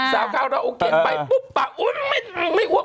สาวข้าวราวโอเคไปปุ๊บปะไม่อวก